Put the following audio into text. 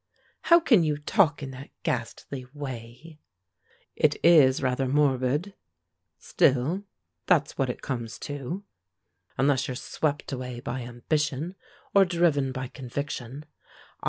"How can you talk in that ghastly way!" "It is rather morbid. Still, that's what it comes to, unless you're swept away by ambition, or driven by conviction.